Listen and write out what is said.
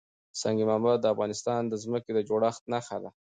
سنگ مرمر د افغانستان د ځمکې د جوړښت نښه ده.